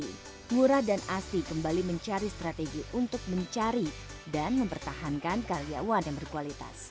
ngurah dan asi kembali mencari strategi untuk mencari dan mempertahankan karyawan yang berkualitas